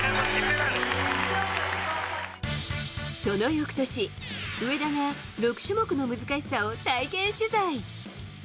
その翌年、上田が６種目の難しさを体験取材。